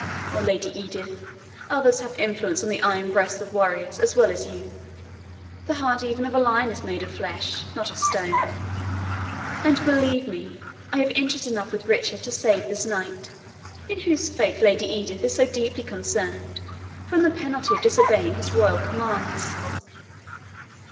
O Lady Edith, others have influence on the iron breasts of warriors as well as you the heart even of a lion is made of flesh, not of stone; and, believe me, I have interest enough with Richard to save this knight, in whose fate Lady Edith is so deeply concerned, from the penalty of disobeying his royal commands."